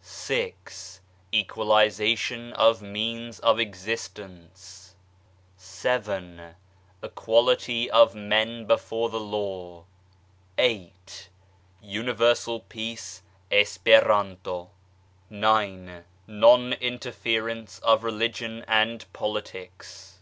VI. Equalisation of Means of Existence. VII. Equality of Men before the Law. VIII. Universal Peace Esperanto. IX. Non Interference of Religion and Politics.